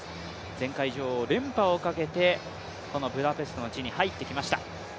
前回女王、連覇をかけて、このブダペストの地に入ってきました。